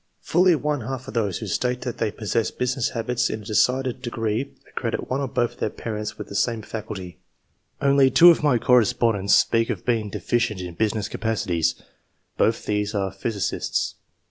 Fully one half of those who state that they possess business habits in a decided degree accredit one or both of their parents with the same faculty. Only two of my correspondents speak of being deficient in business capacities. Both these are physicists.